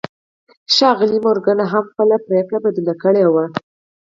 ښاغلي مورګان هم خپله پرېکړه بدله کړې وه.